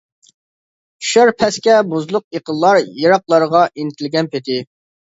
چۈشەر پەسكە مۇزلۇق ئېقىنلار، يىراقلارغا ئىنتىلگەن پېتى.